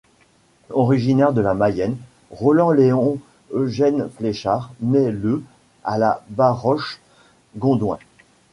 Originaire de la Mayenne, Roland Léon Eugène Fléchard nait le à La Baroche-Gondouin.